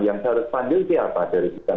yang saya harus panggil siapa dari